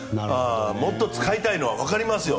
もっと使いたいのはわかりますよ。